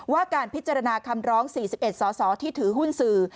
ว่าการพิจารณาคำร้อง๔๑สอสอที่ถือหุ้นสื่อ